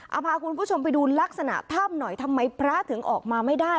เอาพาคุณผู้ชมไปดูลักษณะถ้ำหน่อยทำไมพระถึงออกมาไม่ได้